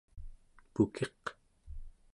pukiq